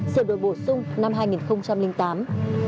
sự đổi bổ sung năm hai nghìn tám